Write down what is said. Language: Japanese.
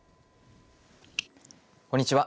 こんにちは。